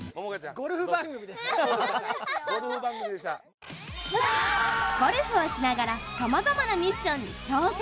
ゴルフをしながらさまざまなミッションに挑戦。